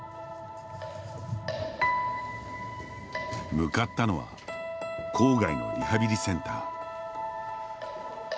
向かったのは郊外のリハビリセンター。